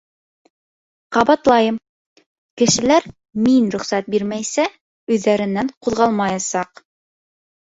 — Ҡабатлайым: кешеләр, мин рөхсәт бирмәйсә, өйҙәренән ҡуҙғалмаясаҡ.